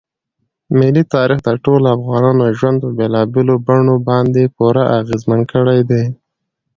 ملي تاریخ د ټولو افغانانو ژوند په بېلابېلو بڼو باندې پوره اغېزمن کړی دی.